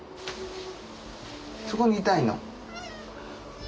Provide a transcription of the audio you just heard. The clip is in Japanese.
そこにいたいの？